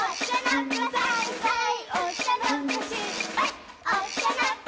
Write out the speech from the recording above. はい！